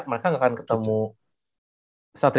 mereka ga akan ketemu satria muda